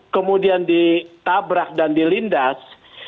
kemudian ditabrak dan dilindas